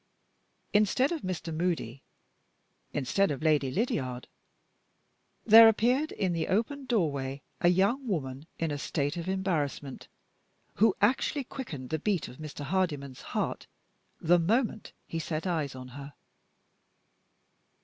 Instead of Mr. Moody, instead of Lady Lydiard, there appeared in the open doorway a young woman in a state of embarrassment, who actually quickened the beat of Mr. Hardyman's heart the moment he set eyes on her.